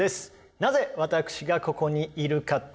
なぜ私がここにいるかって？